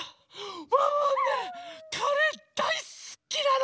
ワンワンねカレーだいすきなの！